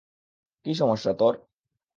কী সমস্যা তোর?